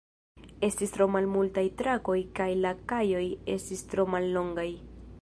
Estis tro malmultaj trakoj kaj la kajoj estis tro mallongaj.